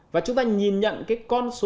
và chúng ta nhìn nhận cái con số